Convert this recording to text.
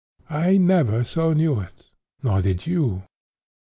I never so knew it, nor did you.